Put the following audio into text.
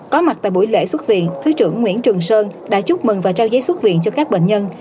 có mặt tại buổi lễ xuất viện thứ trưởng nguyễn trường sơn đã chúc mừng và trao giấy xuất viện cho các bệnh nhân